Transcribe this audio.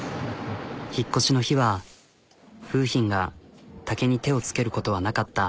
引っ越しの日は楓浜が竹に手をつけることはなかった。